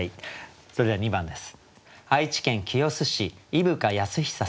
それでは２番です。